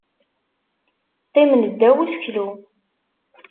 Qqimen ddaw useklu.